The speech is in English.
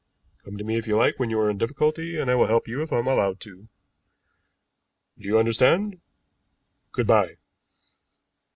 Come to me if you like when you are in a difficulty, and I will help you if I am allowed to. Do you understand? Good bye."